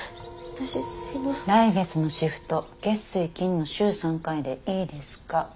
来月のシフト月水金の週３回でいいですか？